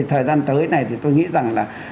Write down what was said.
thời gian tới này thì tôi nghĩ rằng là